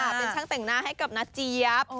เป็นช่างแต่งหน้าให้กับน้าเจี๊ยบ